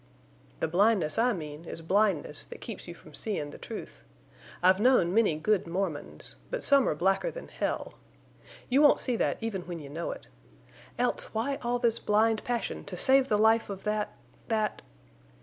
"The blindness I mean is blindness that keeps you from seein' the truth. I've known many good Mormons. But some are blacker than hell. You won't see that even when you know it. Else, why all this blind passion to save the life of that—that...."